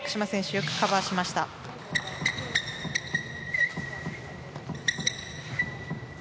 よくカバーしました。